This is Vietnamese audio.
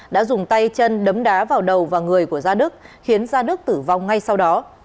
đã dùng tay chân đấm đá vào đầu và người của gia đức khiến gia đức tử vong ngay sau đó